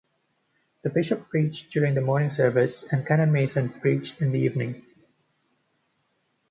The bishop preached during the morning service and Canon Mason preached in the evening.